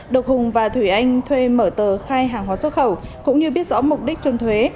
được hùng và thủy anh thuê mở tờ khai hàng hóa xuất khẩu cũng như biết rõ mục đích trôn thuế